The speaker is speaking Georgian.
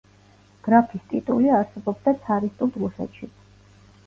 გრაფის ტიტული არსებობდა ცარისტულ რუსეთშიც.